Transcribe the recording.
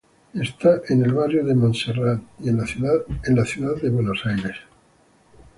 Está en el barrio de Monserrat, en la ciudad de Buenos Aires.